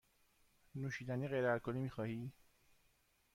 نوشیدنی غیر الکلی می خواهی؟